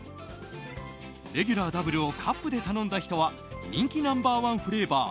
レギュラーダブルをカップで頼んだ人は人気ナンバー１フレーバー